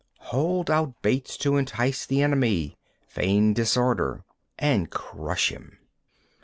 20. Hold out baits to entice the enemy. Feign disorder, and crush him.